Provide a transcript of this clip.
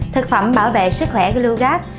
thực phẩm bảo vệ sức khỏe glugac